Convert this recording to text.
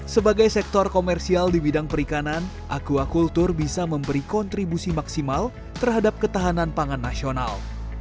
sebagai sektor komersial di bidang perikanan aquacultur bisa memberi kontribusi maksimal terhadap ketahanan pangan nasional